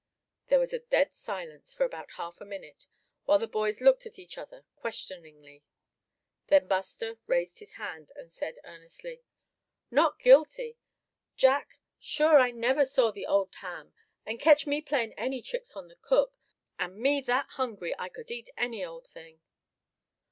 There was a dead silence for about half a minute, while the boys looked at each other questioningly. Then Buster raised his hand, and said, earnestly: "Not guilty, Jack, sure I never even saw the old ham; and ketch me a playin' any tricks on the cook, and me that hungry I c'd eat any old thing."